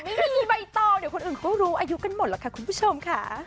ไม่มีใบตองเดี๋ยวคนอื่นเขารู้อายุกันหมดหรอกค่ะคุณผู้ชมค่ะ